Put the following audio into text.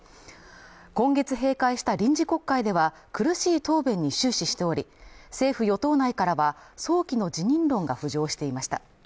今月閉会した臨時国会では苦しい答弁に終始しており政府・与党内からは早期の辞任論が浮上していました